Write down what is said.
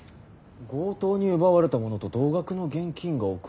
強盗に奪われたものと同額の現金が送られてきた。